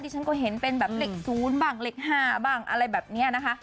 ฉันก็เห็นเป็นแบบเหล็ก๐บ้างเลข๕บ้างอะไรแบบนี้นะคะ